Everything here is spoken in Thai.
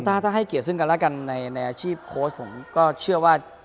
ถ้าให้เกียรติซึ่งกันแล้วกันในอาชีพโค้ชผมก็เชื่อว่า